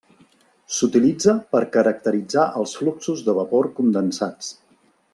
S'utilitza per caracteritzar els fluxos de vapor condensats.